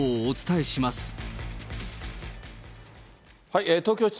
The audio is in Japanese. お伝えします。